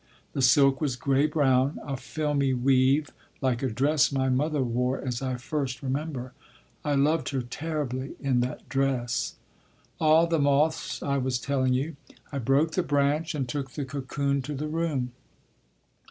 The silk was gray brown, a filmy weave like a dress my mother wore as I first remember. I loved her terribly in that dress—ah, the moths, I was telling you. I broke the branch and took the cocoon to the room.